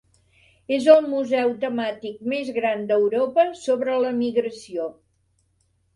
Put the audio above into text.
És el museu temàtic més gran d'Europa sobre l'emigració.